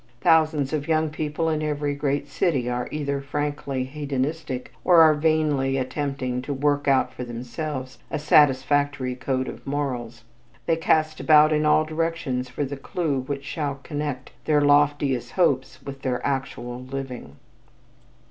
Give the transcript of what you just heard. Thousands of young people in every great city are either frankly hedonistic, or are vainly attempting to work out for themselves a satisfactory code of morals. They cast about in all directions for the clue which shall connect their loftiest hopes with their actual living.